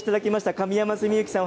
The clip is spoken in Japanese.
上山純之さん。